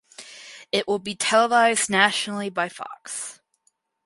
It will be televised nationally by Fox.